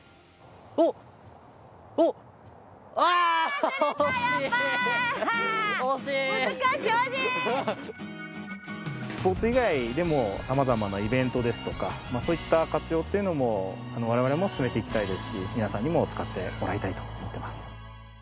スポーツ以外でも様々なイベントですとかそういった活用っていうのも我々も進めていきたいですし皆さんにも使ってもらいたいと思ってます。